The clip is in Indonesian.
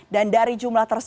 dan dari jumlah tersedia